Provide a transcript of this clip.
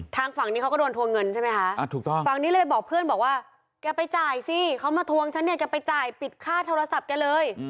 ทางฝั่งนี้เขาก็โดนทวงเงินใช่ไหมคะถูกต้องฝั่งนี้เลยไปบอกเพื่อนบอกว่าแกไปจ่ายสิเขามาทวงฉันเนี่ยแกไปจ่ายปิดค่าโทรศัพท์แกเลย